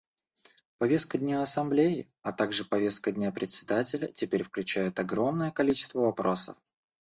Повестка дня Ассамблеи, а также повестка дня Председателя теперь включают огромное количество вопросов.